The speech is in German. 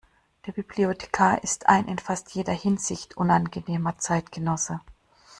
Der Bibliothekar ist ein in fast jeder Hinsicht unangenehmer Zeitgenosse.